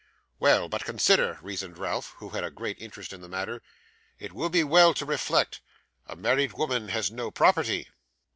'Well, but consider,' reasoned Ralph, who had a great interest in the matter. 'It would be well to reflect. A married woman has no property.